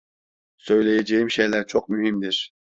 Söyleyeceğim şeyler çok mühimdir.